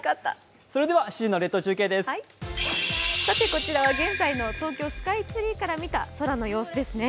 こちらは現在の東京スカイツリーから見た空の様子ですね。